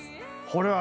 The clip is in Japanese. これは。